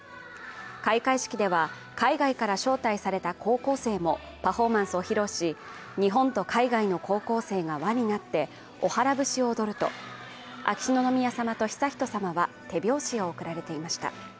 開会式では海外から招待された高校生もパフォーマンスを披露し、日本と海外の高校生が輪になっておはら節を踊ると秋篠宮さまと悠仁さまは手拍子を送られていました。